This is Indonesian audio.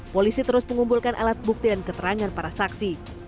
polisi terus mengumpulkan alat bukti dan keterangan para saksi